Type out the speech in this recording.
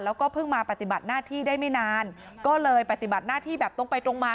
แล้วก็เพิ่งมาปฏิบัติหน้าที่ได้ไม่นานก็เลยปฏิบัติหน้าที่แบบตรงไปตรงมา